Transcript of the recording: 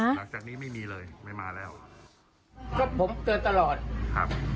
หลังจากนี้ไม่มีเลยไม่มาแล้วก็ผมเตือนตลอดครับ